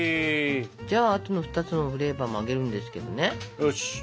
じゃああとの２つのフレーバーも揚げるんですけどね。